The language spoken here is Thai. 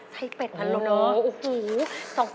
ไส้เป็ดพันลมเนอะโอ้โฮ